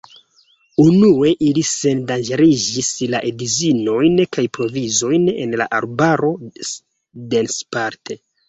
Unue, ili sendanĝeriĝis la edzinojn kaj provizojn en la arbaro densparte.